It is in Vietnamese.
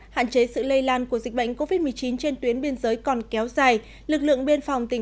hạn chế sự lây lan của dịch bệnh covid một mươi chín trên tuyến biên giới còn kéo dài lực lượng biên phòng tỉnh